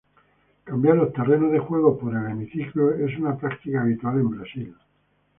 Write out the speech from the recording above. Cambiar los terrenos de juegos por el hemiciclo es una práctica habitual en Brasil.